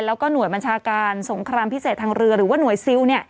แล้วก็หน่วยบัญชาการสงครามพิเศษทางเรือหรือว่าหน่วยซิล